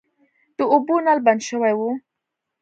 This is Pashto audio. د اوبو نل بند شوی و.